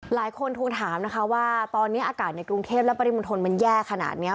หลายคนทวงถามนะคะว่าตอนนี้อากาศในกรุงเทพและปริมณฑลมันแย่ขนาดนี้